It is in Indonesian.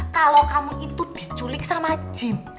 kalau kamu itu diculik sama jim